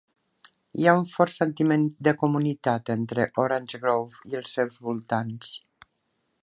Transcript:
Hi ha un fort sentiment de comunitat entre Orange Grove i els seus voltants.